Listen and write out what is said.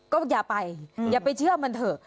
ก็อย่าไปอย่าไปเชื่อมันเถอะ